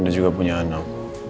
anda juga punya anak